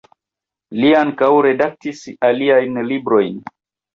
Li ankaŭ redaktis aliajn librojn.